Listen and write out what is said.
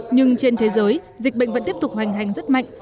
nhưng trên thế giới dịch bệnh vẫn tiếp tục hoành hành rất mạnh